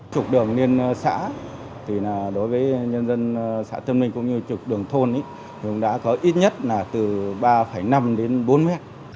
trục đường liên xã thì là đối với nhân dân xã tân minh cũng như trục đường thôn thì cũng đã có ít nhất là từ ba năm đến bốn m